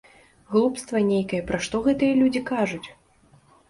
Глупства нейкае, пра што гэтыя людзі кажуць?